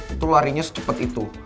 itu larinya secepet itu